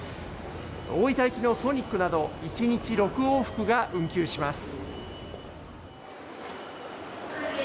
大分行きの「ソニック」など１日６往復が運休します。